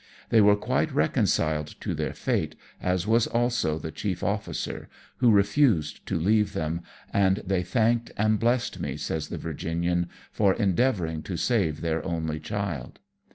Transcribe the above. They were quite reconciled to their fate, as was also the chief officer, who refused to leave them, and ' they thanked and blessed me,' says the Virginian, 'for endeavouring to save their only child.'